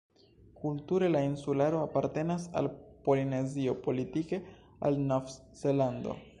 Kulture la insularo apartenas al Polinezio, politike al Nov-Zelando.